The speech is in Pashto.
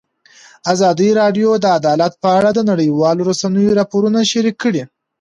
ازادي راډیو د عدالت په اړه د نړیوالو رسنیو راپورونه شریک کړي.